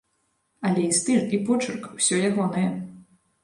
Але і стыль, і почырк усё ягонае.